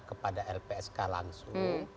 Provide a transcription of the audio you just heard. kepada lpsk langsung